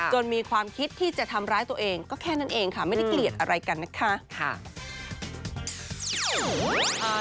มีความคิดที่จะทำร้ายตัวเองก็แค่นั้นเองค่ะไม่ได้เกลียดอะไรกันนะคะ